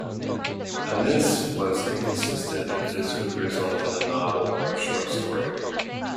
Amis was inconsistent if this would result in a novel or a short story.